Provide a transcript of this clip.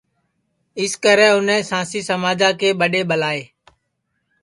سکرے اُنیں سانسی سماجا کے ٻڈؔے ٻلائے